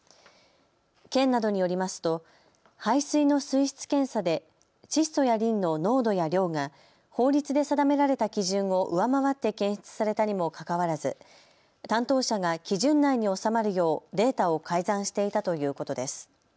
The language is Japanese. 県などによりますと排水の水質検査で窒素やリンの濃度や量が法律で定められた基準を上回って検出されたにもかかわらず担当者が基準内に収まるようデータを改ざんしていたということです。